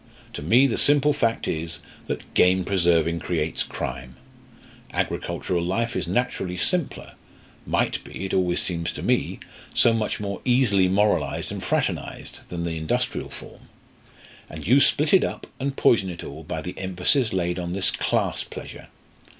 To me the simple fact is that game preserving creates crime. Agricultural life is naturally simpler might be, it always seems to me, so much more easily moralised and fraternised than the industrial form. And you split it up and poison it all by the emphasis laid on this class pleasure.